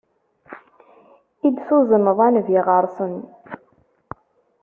I d-tuzneḍ a Nnbi ɣer-sen.